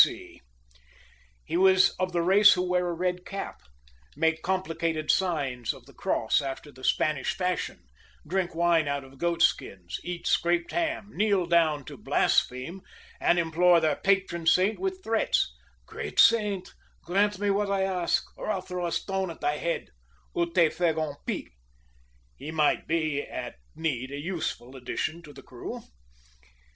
He was of the race who wear a red cap, make complicated signs of the cross after the Spanish fashion, drink wine out of goat skins, eat scraped ham, kneel down to blaspheme, and implore their patron saint with threats "Great saint, grant me what I ask, or I'll throw a stone at thy head, ou té feg un pic." He might be, at need, a useful addition to the crew.